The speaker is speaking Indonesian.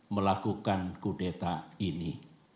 melakukan kudeta ini